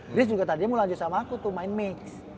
grace juga tadinya mau lanjut sama aku tuh main mix